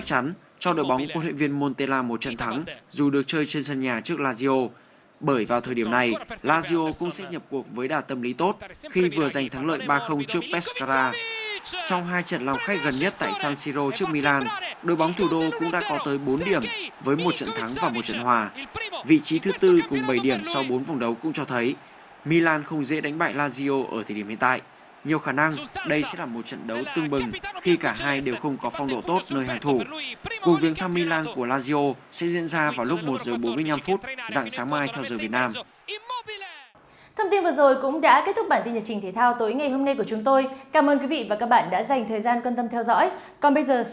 các bạn đã dành thời gian quan tâm theo dõi còn bây giờ xin chào và hẹn gặp lại trong những chương trình tiếp theo